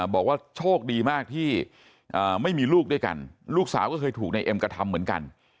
บอกว่าโชคดีมากที่ไม่มีลูกด้วยกันลูกสาวก็เคยถูกนายเอ็มกระทำเหมือนกัน